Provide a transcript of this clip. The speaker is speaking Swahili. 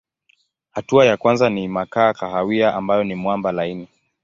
Hatua ya kwanza ni makaa kahawia ambayo ni mwamba laini.